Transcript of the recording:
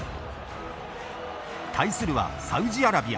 対するは、サウジアラビア。